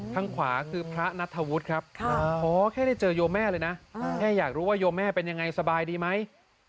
ทางขวาคือพระนัทธวุฒิครับขอแค่ได้เจอโยแม่เลยนะแค่อยากรู้ว่าโยแม่เป็นยังไงสบายดีไหม